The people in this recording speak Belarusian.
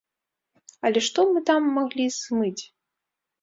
Але што мы там маглі змыць!